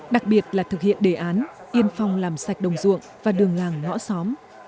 đặc biệt là thực hiện đề án yên phong làm sạch đồng ruộng và đường làng ngõ xóm